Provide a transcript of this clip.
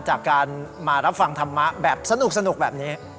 จากการมารับฟังธรรมะแบบสนุกแบบนี้